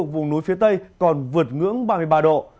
vùng núi phía tây còn vượt ngưỡng ba mươi ba độ